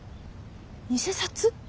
偽札？